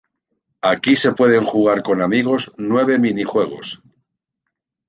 Aquí se pueden jugar con amigos nueve minijuegos.